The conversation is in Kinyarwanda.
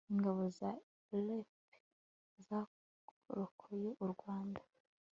ingabo za rpf zarokoye u rwanda